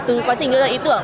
từ quá trình đưa ra ý tưởng